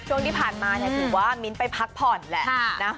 ช่วงที่ผ่านมาเนี่ยถือว่ามิ้นไปพักผ่อนแหละนะ